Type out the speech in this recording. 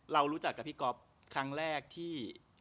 รู้จักกับพี่ก๊อฟครั้งแรกที่